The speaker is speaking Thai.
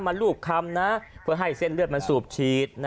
รูปคำนะเพื่อให้เส้นเลือดมันสูบฉีด